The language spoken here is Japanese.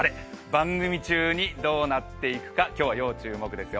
番組中にどうなっていくか、今日は要注目ですよ。